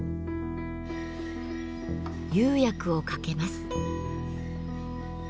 釉薬をかけます。